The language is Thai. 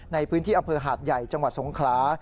ในพื้นที่อำเภอหาดใหญ่จังหวัดสงขลา